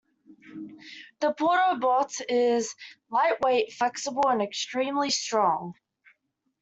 The Porta-Bote is lightweight, flexible and extremely strong.